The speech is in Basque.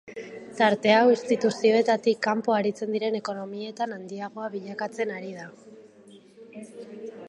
Tarte hau instituzioetatik kanpo aritzen diren ekonomietan handiagoa bilakatzen ari da.